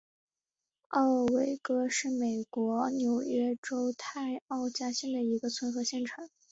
奥韦戈是美国纽约州泰奥加县的一个村和县城。